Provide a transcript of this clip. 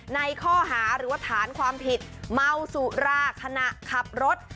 ในข้อหาหรือว่าฐานความผิดเมาสุราขณะขับรถ